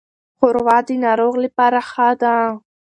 ښوروا د ناروغ لپاره ښه ده.